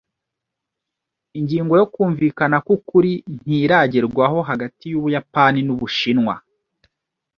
Ingingo yo kumvikana kwukuri ntiragerwaho hagati yUbuyapani nu Bushinwa.